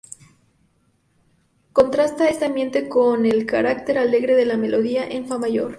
Contrasta este ambiente con el carácter alegre de la melodía en Fa mayor.